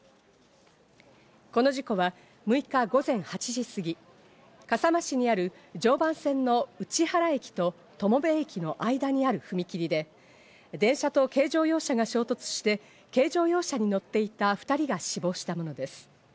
この事故は６日午前８時過ぎ、笠間市にある常磐線の内原駅と友部駅の間にある踏み切りで、電車と軽乗用車が衝突して、軽乗用車に乗っていた２人が死亡したものです。